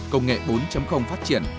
công nghệ bốn phát triển